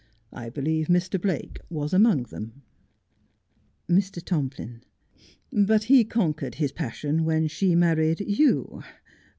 I believe Mr. Blake was among them. Mr. Tomplin : But he conquered his passion when she married you.